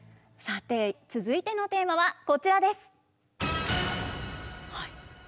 さて続いてのテーマはこちらです。